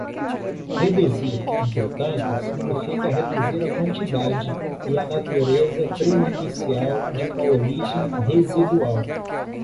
Reduzir, entretanto, significa reduzir a quantidade e a natureza prejudicial de uma origem residual.